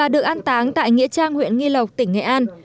được an táng tại nghĩa trang huyện nghi lộc tỉnh nghệ an